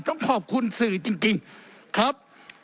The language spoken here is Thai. ต้องขอบคุณสื่อจริงครับ